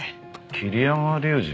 桐山竜二？